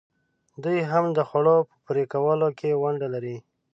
دوی هم د خوړو په پرې کولو کې ونډه لري.